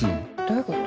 どういう事？